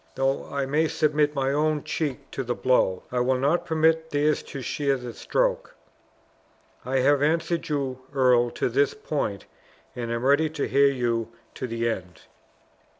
Though I may submit my own cheek to the blow, I will not permit theirs to share the stroke. I have answered you, earl, to this point and am ready to hear you to the end."